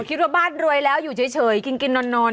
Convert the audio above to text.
คิดว่าบ้านรวยแล้วอยู่เฉยกินนอน